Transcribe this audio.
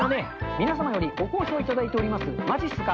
皆さんよりご好評いただいております、まじっすか。